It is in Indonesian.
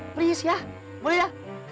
please ya boleh ya